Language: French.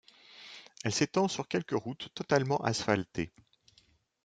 Elle s'étend sur quelque de route totalement asphaltée.